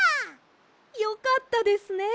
よかったですね。